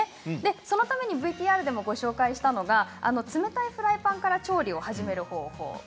そのためにＶＴＲでもご紹介したのが冷たいフライパンから調理を始める方法です。